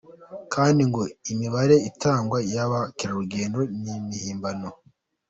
Kandi ngo imibare itangwa y’abakerarugendo n’imihimbano.